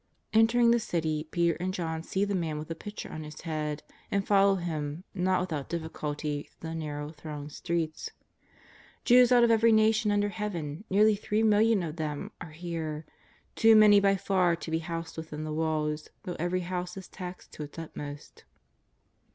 Entering the City, Peter and eTohn see the man with the pitcher on his head, and follow him, not without difficulty, through the narrow, thronged streets. Jews out of every nation under heaven, nearly three millions of them, are here — too many by far to be housed within the walls, though every house is taxed to its utmost.